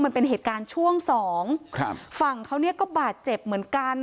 มันเป็นเหตุการณ์ช่วงสองครับฝั่งเขาเนี่ยก็บาดเจ็บเหมือนกัน